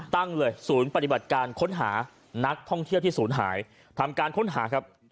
ตั้งเลยศูนย์ปฏิบัติการค้นหานักท่องเที่ยวที่ศูนย์หายทำการค้นหาครับ